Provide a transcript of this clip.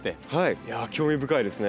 いや興味深いですね。